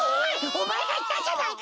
おまえがいったんじゃないか！